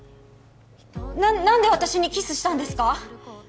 何で私にキスしたんですか？